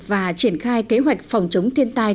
và triển khai kế hoạch phòng chống thiên tai